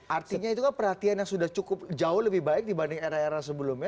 artinya itu kan perhatian yang sudah cukup jauh lebih baik dibanding era era sebelumnya